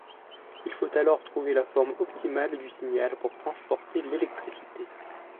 Il faut alors trouver la forme optimale du signal pour transporter l’électricité.